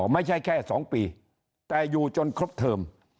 ไม่ใช่แค่๒ปีแต่อยู่จนครบเทิม